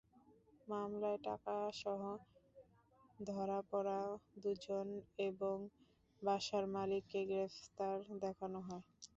মামলায় টাকাসহ ধরা পড়া দুজন এবং বাসার মালিককে গ্রেপ্তার দেখানো হয়।